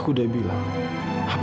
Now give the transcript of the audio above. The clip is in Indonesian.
aku akan selalu berhutang untuk kamu